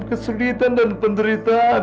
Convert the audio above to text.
kesulitan dan penderitaan